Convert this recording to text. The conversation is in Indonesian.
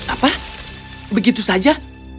apa begitu saja